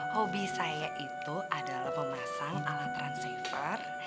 hobi saya itu adalah memasang alat transceiver